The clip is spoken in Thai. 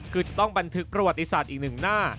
คือจะต้องบันทึกประวัติศาสตร์อีกหนึ่งหน้า